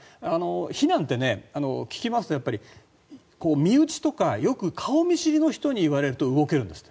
避難って聞きますと、身内とかよく顔見知りの人に言われると動けるんですって。